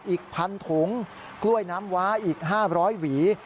อีก๑๐๐ถุงกล้วยน้ำว้าอีก๕๐๐หวี